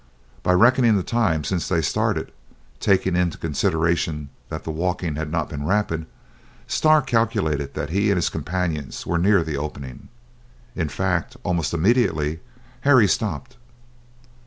By reckoning the time since they started, taking into consideration that the walking had not been rapid, Starr calculated that he and his companions were near the opening. In fact, almost immediately, Harry stopped.